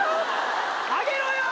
上げろよ！